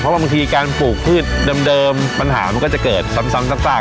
บางทีการปลูกพืชเดิมปัญหามันก็จะเกิดซ้ำซาก